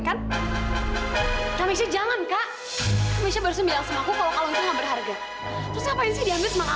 kan kami jangan kak bisa bersih aku kalau kamu nggak berharga terus ngapain sih diambil sama